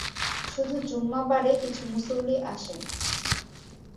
শুধু জুম্মাবারে কিছু মুসুল্লি আসেন।